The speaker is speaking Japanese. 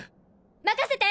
任せて！